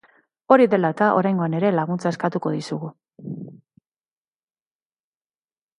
Hori dela eta, oraingoan ere laguntza eskatuko dizugu.